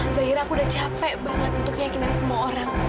zahira aku udah capek banget untuk keyakinan semua orang